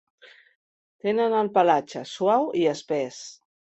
Tenen el pelatge suau i espès.